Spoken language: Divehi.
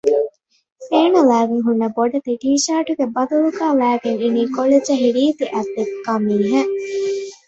އޭނަ ލައިގެން ހުންނަ ބޮޑެތި ޓީޝާޓުގެ ބަދަލުގައި ލައިގެން އިނީ ގޮޅިޖެހި ރީތި އަތްދިގު ގަމީހެއް